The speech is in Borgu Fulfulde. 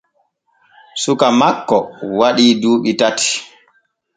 Suka makko waɗii duuɓi tati.